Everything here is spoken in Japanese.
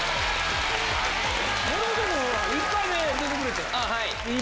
森本、でも１回目出てくれた。